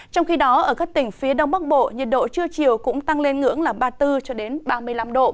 trong khi đó ở các tỉnh phía đông bắc bộ nhiệt độ trưa chiều cũng tăng lên ngưỡng là ba mươi bốn ba mươi năm độ